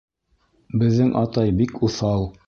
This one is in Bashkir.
Беҙҙең атай бик уҫал!